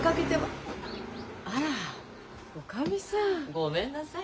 ごめんなさい。